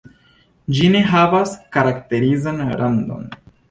Ĝi ne havas karakterizan randon.